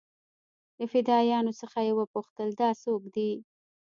له فدايانو څخه يې وپوښتل دا سوک دې.